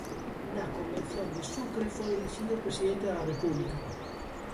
Na Convención de Sucre foi elixido Presidente da República.